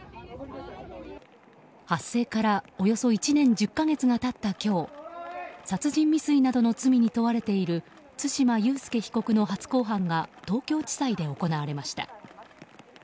発生から、およそ１年１０か月が経った今日殺人未遂などの罪に問われている対馬悠介被告の初公判が東京地裁で行われました。